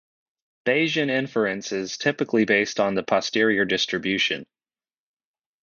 Bayesian inference is typically based on the posterior distribution.